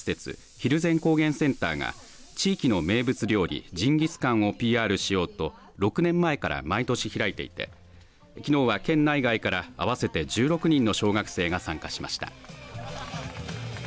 ヒルゼン高原センターが地域の名物料理ジンギスカンをＰＲしようと６年前から毎年開いていてきのう県内外から合わせて１６人の小学生が参加しました。